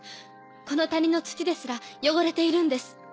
この谷の土ですら汚れているんです。